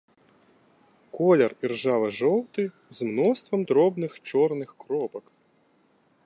Колер іржава-жоўты, з мноствам дробных чорных кропак.